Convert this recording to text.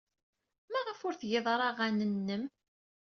Maɣef ur tgid ara aɣanen-nnem?